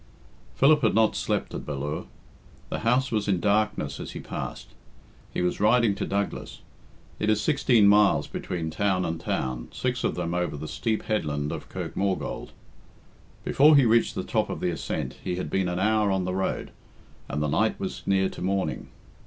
Philip had not slept at Ballure. The house was in darkness as he passed. He was riding to Douglas. It is sixteen miles between town and town, six of them over the steep headland of Kirk Maughold. Before he reached the top of the ascent he had been an hour on the road, and the night was near to morning.